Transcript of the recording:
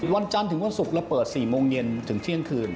วันจันทร์ถึงวันศุกร์เราเปิด๔โมงเย็นถึงเที่ยงคืน